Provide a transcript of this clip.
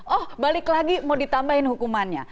oh balik lagi mau ditambahin hukumannya